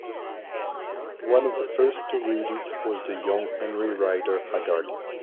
One of the first to read it was the young Henry Rider Haggard.